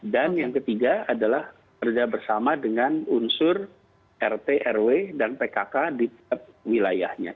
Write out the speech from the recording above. dan yang ketiga adalah kerja bersama dengan unsur rt rw dan pkk di wilayahnya